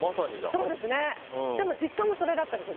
実家もそれだったんですよ。